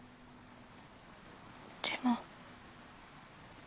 でも。